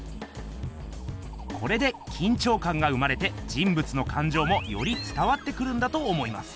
これできんちょうかんが生まれて人ぶつのかんじょうもよりつたわってくるんだと思います。